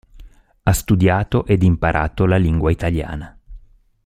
Ha studiato ed imparato la lingua italiana.